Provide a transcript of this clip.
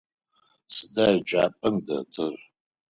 Сыда еджапӏэм дэтыр?